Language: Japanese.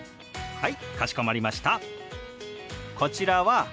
はい！